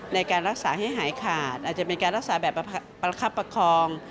ในการรักษาให้หายขาดอาจจะเป็นการรักษาแบบประคับประคอง